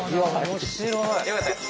面白い。